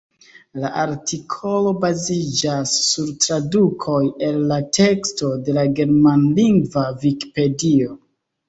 La artikolo baziĝas sur tradukoj el la teksto de la germanlingva vikipedio.